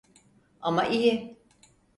Ama iyi.